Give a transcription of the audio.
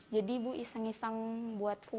jadi ibu iseng iseng buat kue